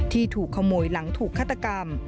ที่ถูกขโมยหลังถูกฆาตกรรม